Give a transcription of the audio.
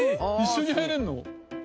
一緒に入れるの？